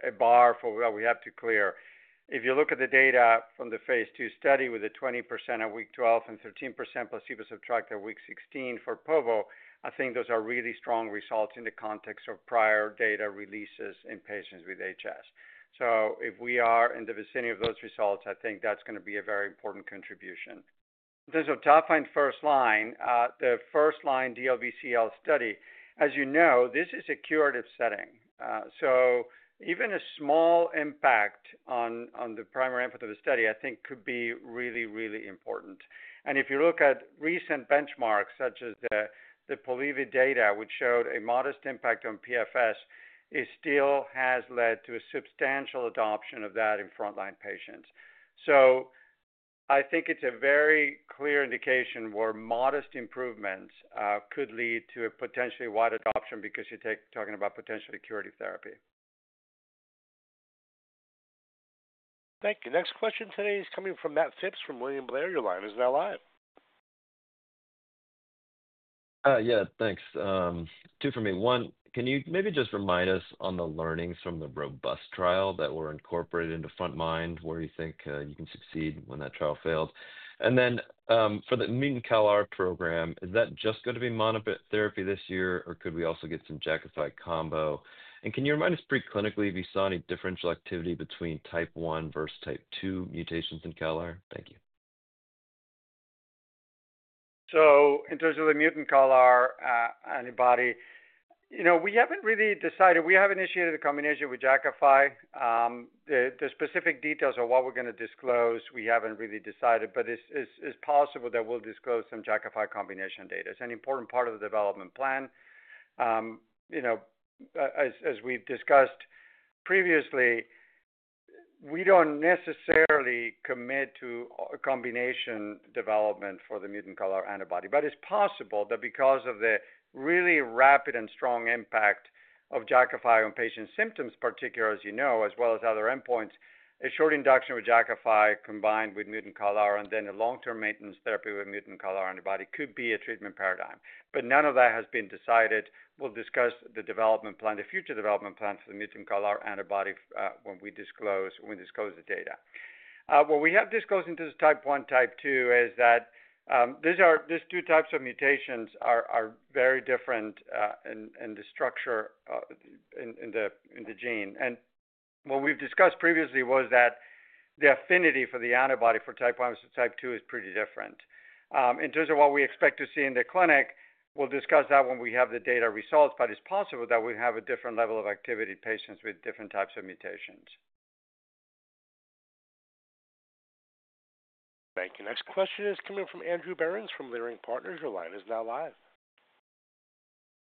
a bar for what we have to clear. If you look at the data from the phase II study with a 20% at week 12 and 13% placebo-subtracted at week 16 for povorcitinib, I think those are really strong results in the context of prior data releases in patients with HS. So if we are in the vicinity of those results, I think that's going to be a very important contribution. In terms of top-line and first-line, the first-line DLBCL study, as you know, this is a curative setting, so even a small impact on the primary endpoint of the study, I think, could be really, really important, and if you look at recent benchmarks such as the Polivy data, which showed a modest impact on PFS, it still has led to a substantial adoption of that in frontline patients, so I think it's a very clear indication where modest improvements could lead to a potentially wide adoption because you're talking about potentially curative therapy. Thank you. Next question today is coming from Matt Phipps from William Blair. Your line is now live. Yeah. Thanks. Two for me. One, can you maybe just remind us on the learnings from the ROBUST trial that were incorporated into frontMIND, where you think you can succeed when that trial failed? And then for the mutant CALR program, is that just going to be monotherapy this year, or could we also get some Jakafi combo? And can you remind us preclinically if you saw any differential activity between type 1 versus type 2 mutations in CALR? Thank you. So in terms of the mutant CALR antibody, we haven't really decided. We have initiated a combination with Jakafi. The specific details of what we're going to disclose, we haven't really decided. But it's possible that we'll disclose some Jakafi combination data. It's an important part of the development plan. As we've discussed previously, we don't necessarily commit to a combination development for the mutant CALR antibody. But it's possible that because of the really rapid and strong impact of Jakafi on patient symptoms, particularly, as you know, as well as other endpoints, a short induction with Jakafi combined with mutant CALR and then a long-term maintenance therapy with mutant CALR antibody could be a treatment paradigm. But none of that has been decided. We'll discuss the development plan, the future development plan for the mutant CALR antibody when we disclose the data. What we have disclosed in terms of type 1, type 2 is that these two types of mutations are very different in the structure in the gene. And what we've discussed previously was that the affinity for the antibody for type 1 versus type 2 is pretty different. In terms of what we expect to see in the clinic, we'll discuss that when we have the data results. But it's possible that we have a different level of activity in patients with different types of mutations. Thank you. Next question is coming from Andrew Berens from Leerink Partners. Your line is now live.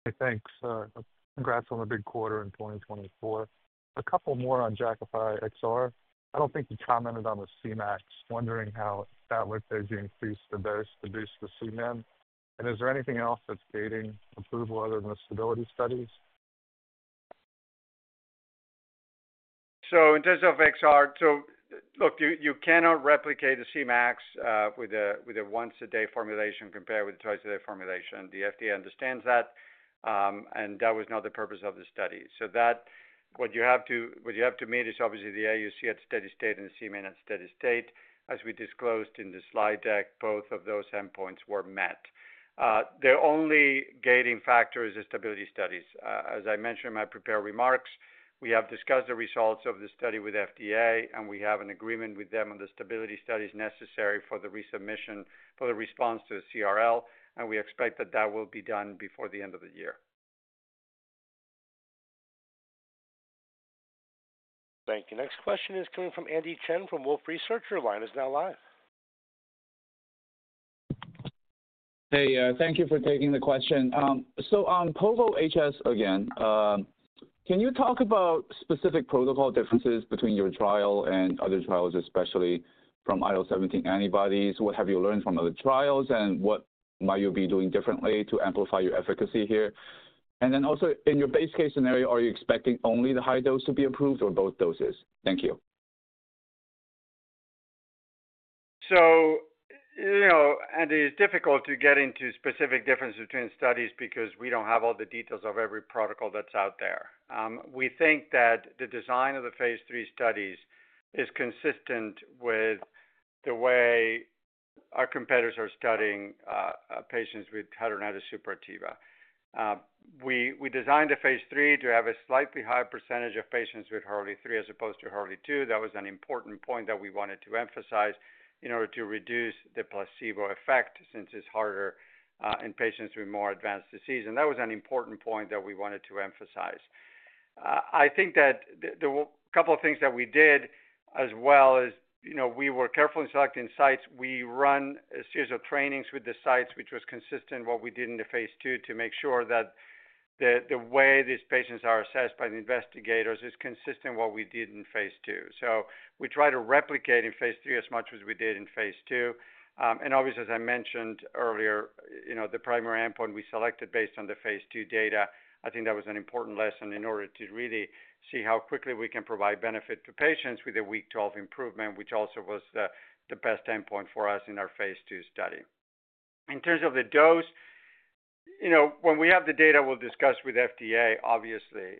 Hey, thanks. Congrats on the big quarter in 2024. A couple more on Jakafi XR. I don't think you commented on the Cmax, wondering how that looked as you increased the dose to boost the Cmin. And is there anything else that's gating approval other than the stability studies? So in terms of XR, so look, you cannot replicate the Cmax with a once-a-day formulation compared with a twice-a-day formulation. The FDA understands that, and that was not the purpose of the study, so what you have to meet is obviously the AUC at steady state and the Cmin at steady state. As we disclosed in the slide deck, both of those endpoints were met. The only gating factor is the stability studies. As I mentioned in my prepared remarks, we have discussed the results of the study with FDA, and we have an agreement with them on the stability studies necessary for the resubmission for the response to the CRL, and we expect that that will be done before the end of the year. Thank you. Next question is coming from Andy Chen from Wolfe Research. Your line is now live. Hey, thank you for taking the question. So on povorcitinib HS again, can you talk about specific protocol differences between your trial and other trials, especially from IL-17 antibodies? What have you learned from other trials, and what might you be doing differently to amplify your efficacy here? And then also, in your base case scenario, are you expecting only the high dose to be approved or both doses? Thank you. It is difficult to get into specific differences between studies because we don't have all the details of every protocol that's out there. We think that the design of the phase III studies is consistent with the way our competitors are studying patients with hidradenitis suppurativa. We designed a phase III to have a slightly higher percentage of patients with Hurley II as opposed to Hurley I. That was an important point that we wanted to emphasize in order to reduce the placebo effect since it's harder in patients with more advanced disease. And that was an important point that we wanted to emphasize. I think that a couple of things that we did as well is we were careful in selecting sites. We run a series of trainings with the sites, which was consistent with what we did in the phase II to make sure that the way these patients are assessed by the investigators is consistent with what we did in phase II. So we try to replicate in phase three as much as we did in phase II, and obviously, as I mentioned earlier, the primary endpoint we selected based on the phase II data. I think that was an important lesson in order to really see how quickly we can provide benefit to patients with a week 12 improvement, which also was the best endpoint for us in our phase II study. In terms of the dose, when we have the data, we'll discuss with FDA, obviously.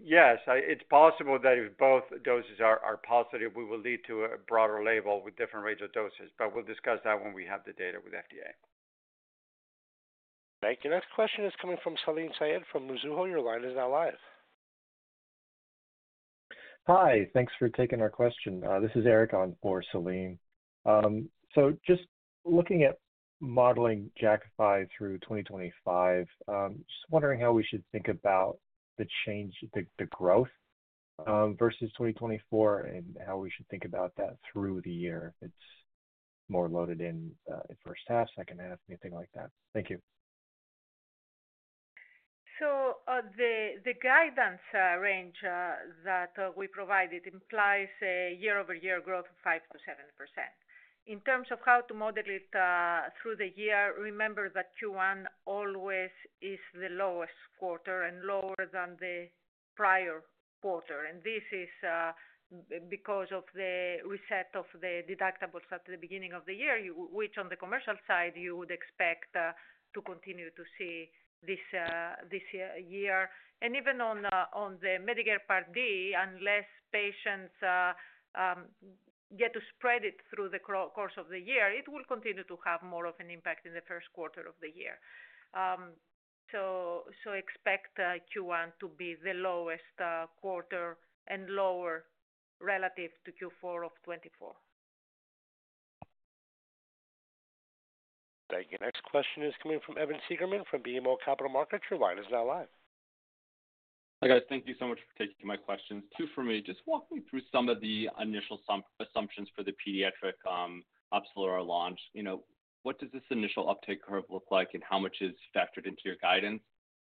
Yes, it's possible that if both doses are positive, we will lead to a broader label with different rates of doses. But we'll discuss that when we have the data with FDA. Thank you. Next question is coming from Salim Syed from Mizuho. Your line is now live. Hi. Thanks for taking our question. This is Erik on for Salim. So just looking at modeling Jakafi through 2025, just wondering how we should think about the growth versus 2024 and how we should think about that through the year. It's more loaded in first half, second half, anything like that. Thank you. So the guidance range that we provided implies a year-over-year growth of 5%-7%. In terms of how to model it through the year, remember that Q1 always is the lowest quarter and lower than the prior quarter. And this is because of the reset of the deductibles at the beginning of the year, which on the commercial side, you would expect to continue to see this year. And even on the Medicare Part D, unless patients get to spread it through the course of the year, it will continue to have more of an impact in the first quarter of the year. So expect Q1 to be the lowest quarter and lower relative to Q4 of 2024. Thank you. Next question is coming from Evan Seigerman from BMO Capital Markets. Your line is now live. Hi, guys. Thank you so much for taking my questions. Two for me. Just walk me through some of the initial assumptions for the pediatric OPZELURA launch. What does this initial uptake curve look like, and how much is factored into your guidance?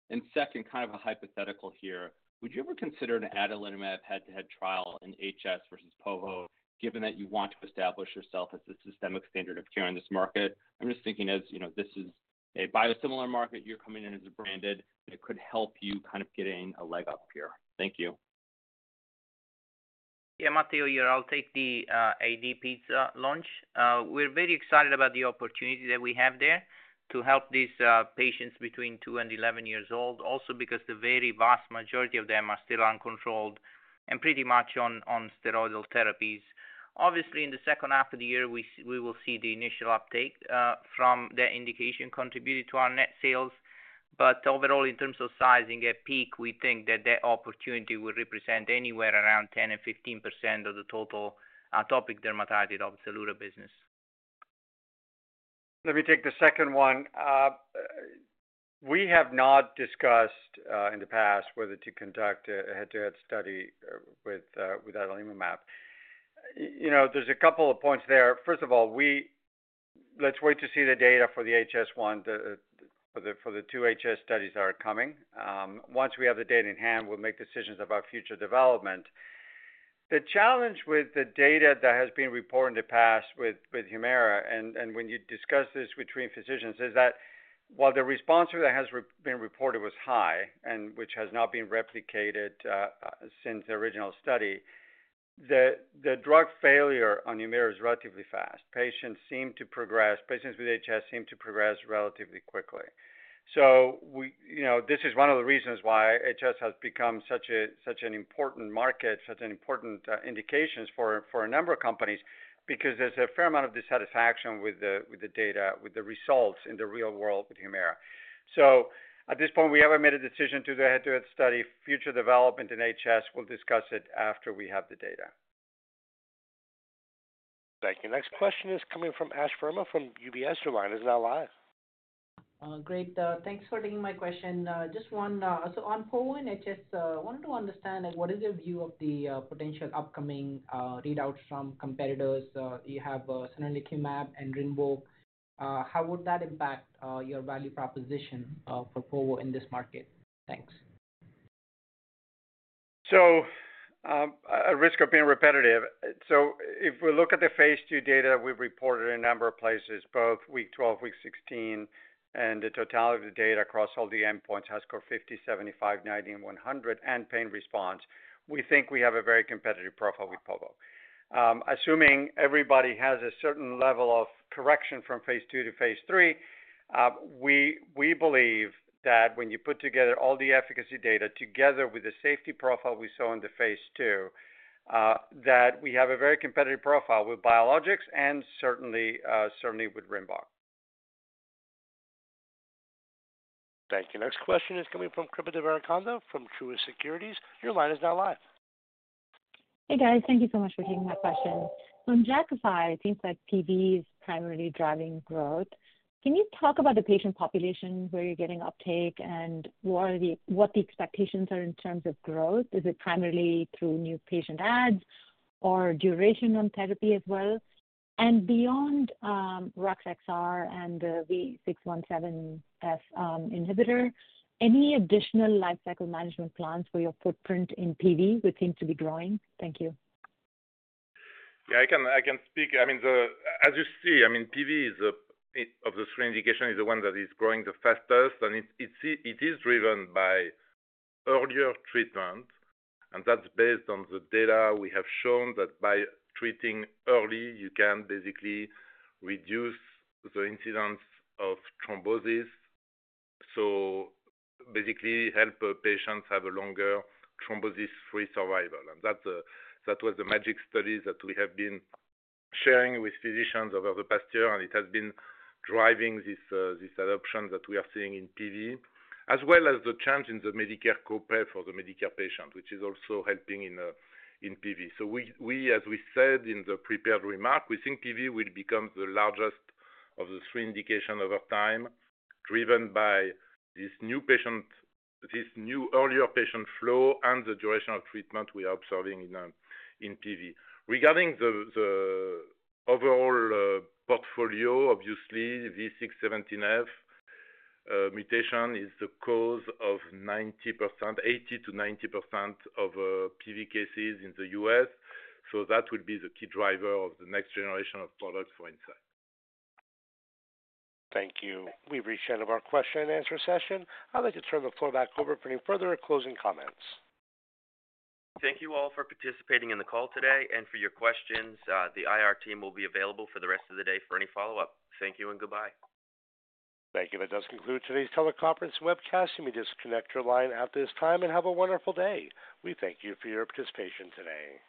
And second, kind of a hypothetical here. Would you ever consider an adalimumab head-to-head trial in HS versus povorcitinib, given that you want to establish yourself as the systemic standard of care in this market? I'm just thinking as this is a biosimilar market, you're coming in as a branded, it could help you kind of get a leg up here. Thank you. Yeah, Matteo, I'll take the ADP launch. We're very excited about the opportunity that we have there to help these patients between two and 11 years old, also because the very vast majority of them are still uncontrolled and pretty much on steroidal therapies. Obviously, in the second half of the year, we will see the initial uptake from the indication contributed to our net sales. But overall, in terms of sizing at peak, we think that that opportunity would represent anywhere around 10% and 15% of the total atopic dermatitis of the consolidated business. Let me take the second one. We have not discussed in the past whether to conduct a head-to-head study with adalimumab. There's a couple of points there. First of all, let's wait to see the data for the HS one, for the two HS studies that are coming. Once we have the data in hand, we'll make decisions about future development. The challenge with the data that has been reported in the past with HUMIRA, and when you discuss this between physicians, is that while the response that has been reported was high, and which has not been replicated since the original study, the drug failure on HUMIRA is relatively fast. Patients seem to progress. Patients with HS seem to progress relatively quickly. So this is one of the reasons why HS has become such an important market, such an important indication for a number of companies, because there's a fair amount of dissatisfaction with the data, with the results in the real world with HUMIRA. So at this point, we haven't made a decision to do a head-to-head study. Future development in HS. We'll discuss it after we have the data. Thank you. Next question is coming from Ash Verma from UBS. Your line is now live. Great. Thanks for taking my question. Just one, so on povorcitinib and HS, I wanted to understand what is your view of the potential upcoming readouts from competitors? You have secukinumab and RINVOQ. How would that impact your value proposition for povorcitinib in this market? Thanks. At the risk of being repetitive. If we look at the phase II data we've reported in a number of places, both week 12, week 16, and the totality of the data across all the endpoints has scored 50, 75, 90, and 100, and pain response, we think we have a very competitive profile with povorcitinib. Assuming everybody has a certain level of correction from phase II to phase III, we believe that when you put together all the efficacy data together with the safety profile we saw in the phase II, that we have a very competitive profile with biologics and certainly with RINVOQ. Thank you. Next question is coming from Kripa Devarakonda from Truist Securities. Your line is now live. Hey, guys. Thank you so much for taking my question. On Jakafi, it seems like PV is primarily driving growth. Can you talk about the patient population where you're getting uptake and what the expectations are in terms of growth? Is it primarily through new patient adds or duration on therapy as well? And beyond rux XR and the V617F inhibitor, any additional lifecycle management plans for your footprint in PV, which seems to be growing? Thank you. Yeah, I can speak. I mean, as you see, I mean, PV of the screen indication is the one that is growing the fastest. And it is driven by earlier treatment. And that's based on the data we have shown that by treating early, you can basically reduce the incidence of thrombosis, so basically help patients have a longer thrombosis-free survival. And that was the MAJIC studies that we have been sharing with physicians over the past year. And it has been driving this adoption that we are seeing in PV, as well as the change in the Medicare copay for the Medicare patient, which is also helping in PV. So we, as we said in the prepared remark, we think PV will become the largest of the three indications over time, driven by this new earlier patient flow and the duration of treatment we are observing in PV. Regarding the overall portfolio, obviously, V617F mutation is the cause of 80% to 90% of PV cases in the U.S. So that will be the key driver of the next generation of products for Incyte. Thank you. We've reached the end of our question-and-answer session. I'd like to turn the floor back over for any further closing comments. Thank you all for participating in the call today and for your questions. The IR team will be available for the rest of the day for any follow-up. Thank you and goodbye. Thank you. That does conclude today's teleconference and webcast. You may disconnect your line at this time and have a wonderful day. We thank you for your participation today.